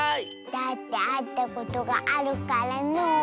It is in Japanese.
だってあったことがあるからのう。